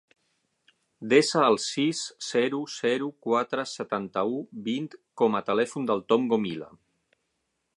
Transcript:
Desa el sis, zero, zero, quatre, setanta-u, vint com a telèfon del Tom Gomila.